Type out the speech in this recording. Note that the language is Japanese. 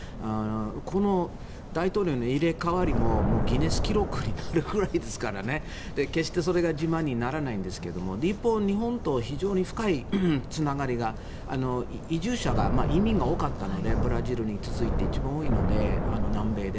この大統領の入れ替わりもギネス記録になるくらいですから決してそれが自慢にならないんですが一方日本と非常に深いつながりが移住者、移民が多かったのでブラジルに続いて一番多いので、南米で。